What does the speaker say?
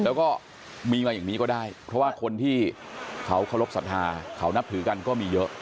แล้วก็มีมาอย่างนี้ก็ได้เพราะว่าคนที่เขาเคารพสัทธาเขานับถือกันก็มีเยอะ